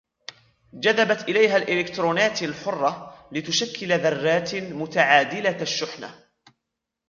جذبت إليها الإلكترونات الحرة لتشكل ذرات متعادلة الشحنة